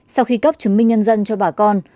sau khi cấp chứng minh nhân dân cho bà con